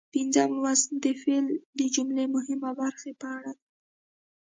پنځم لوست د فعل د جملې مهمه برخه په اړه دی.